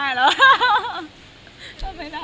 อุ๊ยหนูจำไม่ได้แล้ว